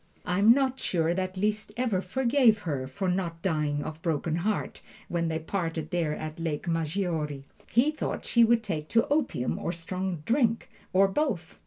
I am not sure that Liszt ever quite forgave her for not dying of broken heart, when they parted there at Lake Maggiore. He thought she would take to opium or strong drink, or both.